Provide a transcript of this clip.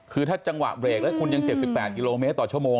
คือถ้าจังหวะเบรกแล้วคุณยัง๗๘กิโลเมตรต่อชั่วโมง